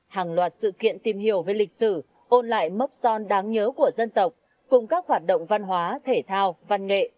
hàng loạt sự kiện tìm hiểu về lịch sử ôn lại mốc son đáng nhớ của dân tộc cùng các hoạt động văn hóa thể thao văn nghệ